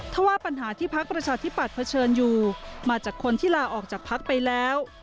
ถ้าว่าปัญหาที่พักประชาธิปัตยเผชิญอยู่มาจากคนที่ลาออกจากพักไปแล้ว